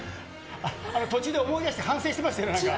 途中で思い出して反省してましたね、なんか。